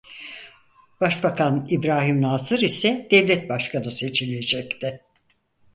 Başbakan İbrahim Nasır ise devlet başkanı seçilecekti.